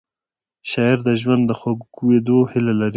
شاعر د ژوند د خوږېدو هیله لري